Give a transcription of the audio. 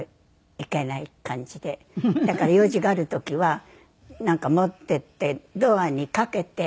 だから用事がある時はなんか持っていってドアにかけて。